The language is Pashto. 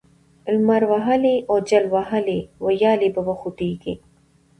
لمر وهلې او جل وهلې ويالې به وخوټېږي،